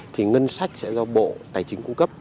thì ngân sách sẽ do bộ tài chính cung cấp